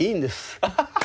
アハハッ。